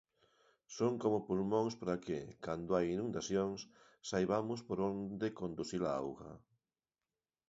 Son como pulmóns para que, cando hai inundacións, saibamos por onde conducir a auga.